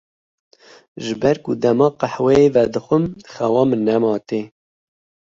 Ji ber ku dema qehweyê vedixwim xewa min nema tê.